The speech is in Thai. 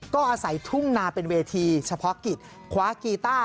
ก็อาศัยทุ่งนาเป็นเวทีเฉพาะกิจคว้ากีต้า